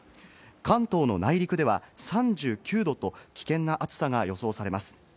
関東の内陸では３９度と危険な暑さが予想されます。